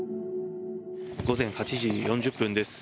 午前８時４０分です。